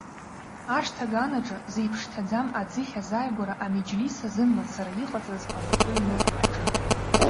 Ашҭа аган аҿы, зеиԥш ҭаӡам аӡыхь азааигәара амеџьлис азын мацара иҟаҵаз аӷәтәы ҩны аҿы.